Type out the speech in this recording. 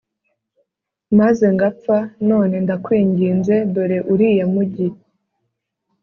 maze ngapfa none ndakwinginze dore uriya mugi